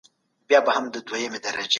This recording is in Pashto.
غړي به د نوي نظام په اړه پرېکړه وکړي.